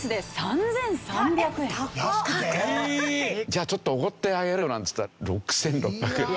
じゃあちょっとおごってあげるよなんていったら６６００円。